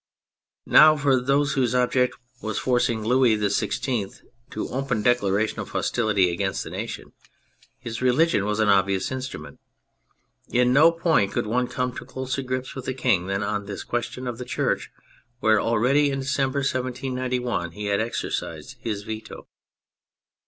Now for those whose object was forcing Louis XVI to open declarations of hostility against the nation, his religion was an obvious instrument. In no point could one come to closer grips with the King than on this question of the Church, where already, in December 1791, he had exercised his veto.